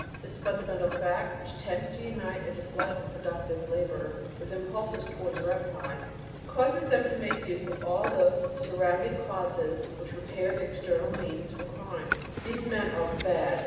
This fundamental fact, which tends to unite a dislike of productive labor with impulses towards rapine, causes them to make use of all those surrounding causes which prepare the external means for crime. These men are "bad."